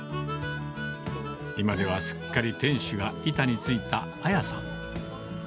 今ではすっかり店主が板についたあやさん。